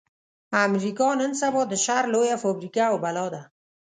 امريکا نن سبا د شر لويه فابريکه او بلا ده.